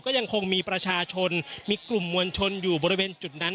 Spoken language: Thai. ก็ยังคงมีประชาชนมีกลุ่มมวลชนอยู่บริเวณจุดนั้น